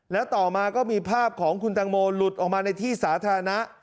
แล้วต่อมาก็มีภาพของคุณตังโมหลุดออกมาในที่สาธารณะ